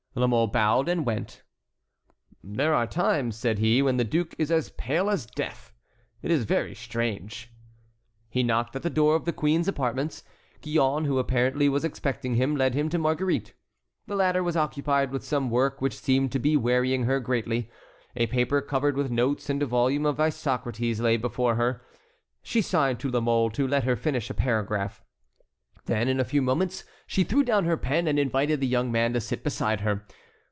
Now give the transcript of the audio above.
La Mole bowed and went on. "There are times," said he, "when the duke is as pale as death. It is very strange." He knocked at the door of the queen's apartments. Gillonne, who apparently was expecting him, led him to Marguerite. The latter was occupied with some work which seemed to be wearying her greatly. A paper covered with notes and a volume of Isocrates lay before her. She signed to La Mole to let her finish a paragraph. Then, in a few moments, she threw down her pen and invited the young man to sit beside her.